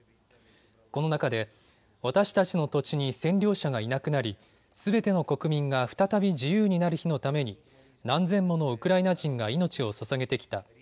この中で私たちの土地に占領者がいなくなり、すべての国民が再び自由になる日のために何千ものウクライナ人が命をささげてきた。